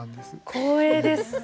光栄です。